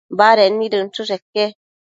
Baded nid inchësheque